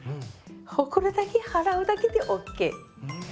ほこりだけ払うだけでＯＫ。